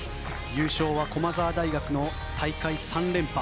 優勝は駒澤大学の大会３連覇。